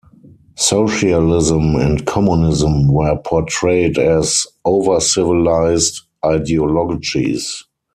Socialism and communism were portrayed as "overcivilized" ideologies.